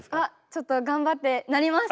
ちょっと頑張ってなります！